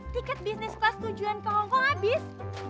tiket bisnis kelas tujuan ke hongkong abis